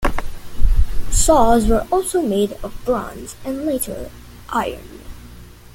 Saws were also made of bronze and later iron.